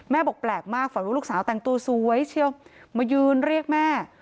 บอกแปลกมากฝันว่าลูกสาวแต่งตัวสวยเชียวมายืนเรียกแม่